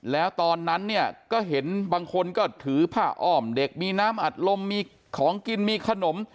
แล้วตอนนั้นเนี่ยก็เห็นบางคนก็ถือผ้าอ้อมเด็กมีน้ำอัดลมมีของกินมีขนม